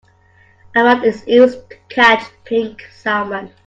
A rod is used to catch pink salmon.